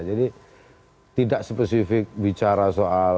jadi tidak spesifik bicara soal